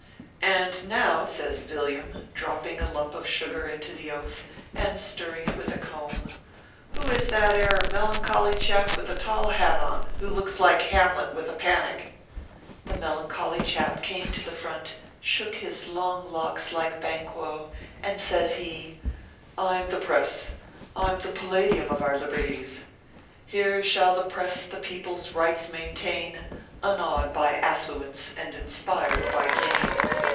"And now," says Villiam, dropping a lump of sugar into the Oath, and stirring it with a comb, " who is that air melancholy chap with a tall hat on, who looks like Hamlet with a panic ?" ORPHEUS C. KERR PAPERS. 139 The melancholy chap came to the front, shook his long locks like Banquo, and says he :" I m the Press. I m the Palladium of our Lib erties "; Here shall the Press the People s rights maintain, Una wed by affluence and inspired by gain.